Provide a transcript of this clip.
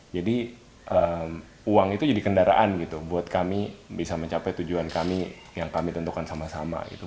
jadi uang itu jadi kendaraan gitu buat kami bisa mencapai tujuan kami yang kami tentukan sama sama gitu